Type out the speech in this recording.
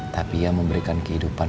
tapi ia memberikan kehidupan